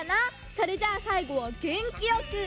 それじゃあさいごはげんきよく！